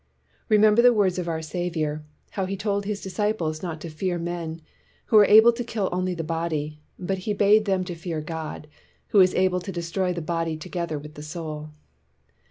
Remember the words of our Sav iour, how he told his disciples not to fear men, who are able to kill only the body ; but he bade them to fear God, who is able to destroy the body together with the soul.